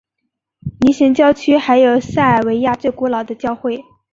尼什郊区还有塞尔维亚最古老的教会。